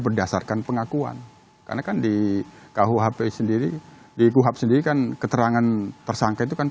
berdasarkan pengakuan karena kan di kuhp sendiri di kuhap sendiri kan keterangan tersangka itu kan